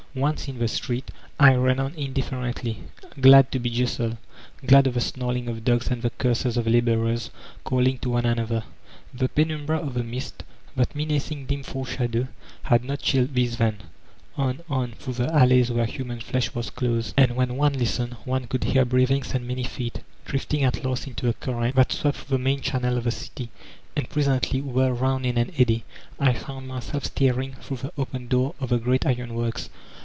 Once in the street, I ran on indifferently, glad to be jostled, glad of the snarl ing of dogs and the curses of laborers calling to one another. The penumbra of the mist, that menacing dim foreshadow, had not chilled these, then I On, on, through the alleys where human flesh was close, and when one listened one could hear breathings and many feet, drifting at last into the current that swept through the main channel of the city, and present^, whirled round in an eddy, I found myself staring through the open door of the great Iron Works.